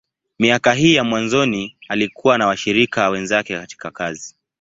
Miaka hii ya mwanzoni, alikuwa na washirika wenzake katika kazi.